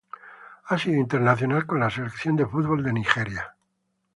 Ha sido internacional con la Selección de fútbol de Nigeria.